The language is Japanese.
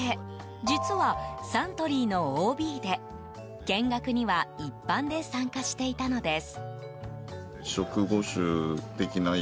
実は、サントリーのＯＢで見学には一般で参加していたのです。